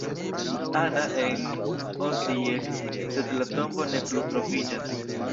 Ana" en Osijek, sed la tombo ne plu troviĝas.